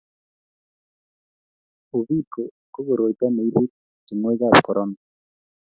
Uviko ko koroito ne ibu tongoikab korona.